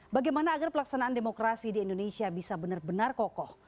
bagaimana agar pelaksanaan demokrasi di indonesia bisa benar benar kokoh